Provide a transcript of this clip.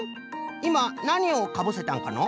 いまなにをかぶせたんかの？